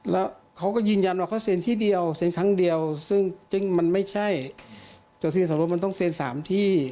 แล้วเขาก็ยืนยันว่าเขาเซ็นที่เดียวเซ็นครั้งเดียวซึ่งมันไม่ใช่จดทะเบียนสมรสมันต้องเซ็น๓ที่